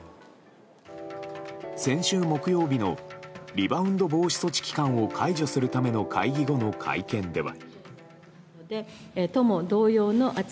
先週木曜日のリバウンド防止措置期間を解除するための会議後の会見では。